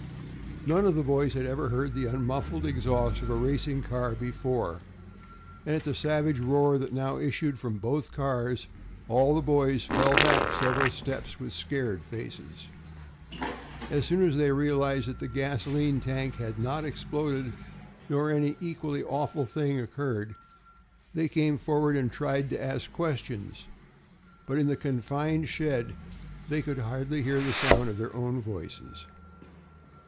None of the boys had ever heard the unmuffled exhaust of a racing car before, and at the savage roar that now issued from both cars all the boys fell back several steps with scared faces. As soon as they realized that the gasoline tank had not exploded, nor any other equally awful thing occurred, they came forward and tried to ask questions, but in the confined shed they could hardly hear the sound of their own voices.